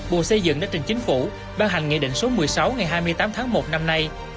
bộ xây dựng đã trình chính phủ ban hành nghị định số một mươi sáu ngày hai mươi tám tháng một năm nay